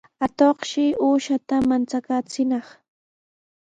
Atuqshi uushata manchakaachinaq.